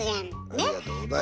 ありがとうございます。